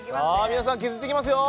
皆さん削っていきますよ。